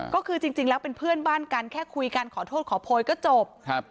ก็คือจริงแล้วเป็นเพื่อนบ้านกันแค่คุยกันขอโทษขอโพยก็จบครับ